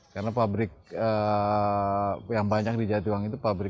karena pabrik yang banyak di jatibangi itu pabrik